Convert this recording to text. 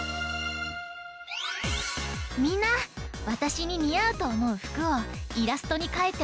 みんなわたしににあうとおもうふくをイラストにかいておくってね！